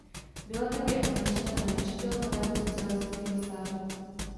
Byla také označena za nepřítele nového socialistického státu.